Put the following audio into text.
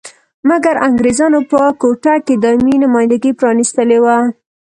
مګر انګریزانو په کوټه کې دایمي نمایندګي پرانیستلې وه.